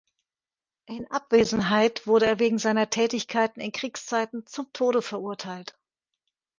In Abwesenheit wurde er wegen seiner Tätigkeiten in Kriegszeiten zum Tode verurteilt.